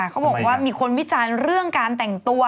เขาบอกว่ามีคนวิจารณ์เรื่องการแต่งตัว